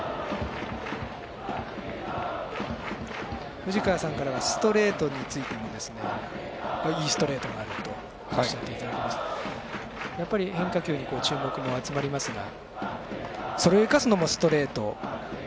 藤川さんからはストレートについてもいいストレートがあるとおっしゃっていただきましたがやっぱり、変化球に注目も集まりますがそれを生かすのもストレート。